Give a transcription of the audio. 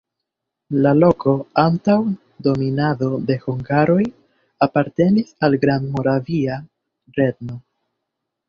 La loko antaŭ dominado de hungaroj apartenis al Grandmoravia Regno.